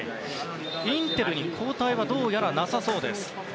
インテルに交代はどうやらなさそうです。